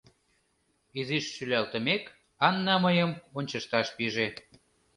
Изиш шӱлалтымек, Анна мыйым ончышташ пиже.